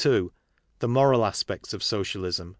The Moral Aspects of Socialism.